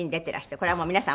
これはもう皆さん